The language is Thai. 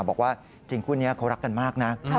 บอกว่าจริงเขารักกันมากนะ